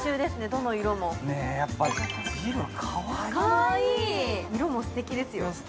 どの色もやっぱりジルはかわいいかわいい色もすてきですよ